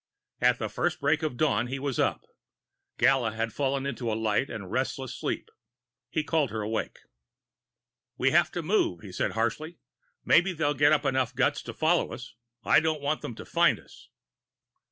At the first break of dawn, he was up. Gala had fallen into a light and restless sleep; he called her awake. "We have to move," he said harshly. "Maybe they'll get up enough guts to follow us. I don't want them to find us."